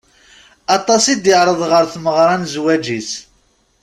Aṭas i d-iɛreḍ ɣer tmeɣra n zzwaǧ-is.